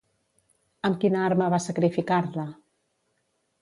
Amb quina arma va sacrificar-la?